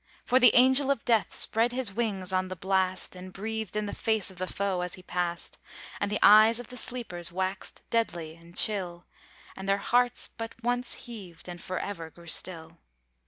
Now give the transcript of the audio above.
For the Angel of Death spread his wings on the blast, And breathed in the face of the foe as he passed; And the eyes of the sleepers waxed deadly and chill, And their hearts but once heaved, and forever grew still.